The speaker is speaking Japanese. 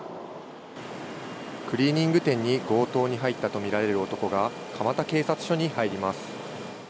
クリーニング店に強盗に入ったと見られる男が、蒲田警察署に入ります。